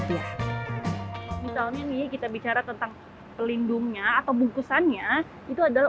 misalnya ini kita bicara tentang pelindungnya atau bungkusannya